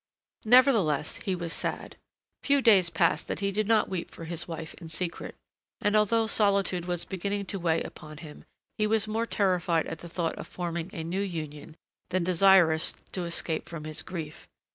Nevertheless, he was sad. Few days passed that he did not weep for his wife in secret, and, although solitude was beginning to weigh upon him, he was more terrified at the thought of forming a new union, than desirous to escape from his grief.